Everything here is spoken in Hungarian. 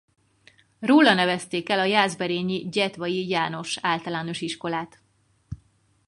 Róla nevezték el a jászberényi Gyetvai János Általános Iskolát.